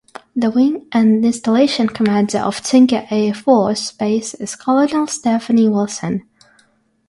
The Wing and Installation Commander of Tinker Air Force Base is Colonel Stephanie Wilson.